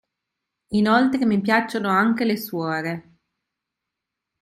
Inoltre, mi piacciono anche le suore!